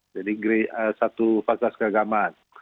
jadi satu fasilitas keagamaan